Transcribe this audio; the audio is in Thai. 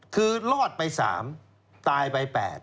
คือรอดไป๓ตายไป๘